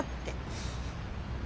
フッ。